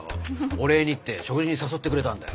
お礼にって食事に誘ってくれたんだよ。